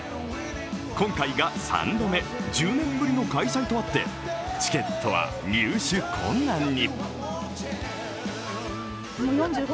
今回が３度目、１０年ぶりの開催とあってチケットは入手困難に。